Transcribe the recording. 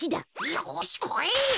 よしこい！